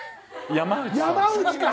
山内か。